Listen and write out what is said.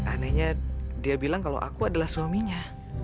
anehnya dia bilang kalau aku adalah suaminya